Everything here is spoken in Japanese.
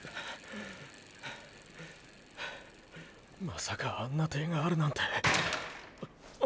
まさかあんな手があるなんて。